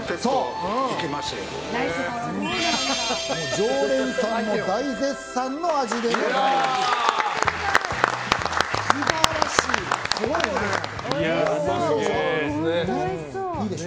常連さんも大絶賛の味でございます。